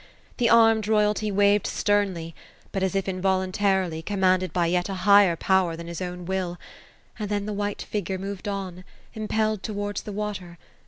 The armed royalty waved sternly, but as if involuntarily, commanded by yet a higher power than his own will ; and then the white figure moved on, impelled towards the water.